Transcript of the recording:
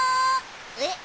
えっ？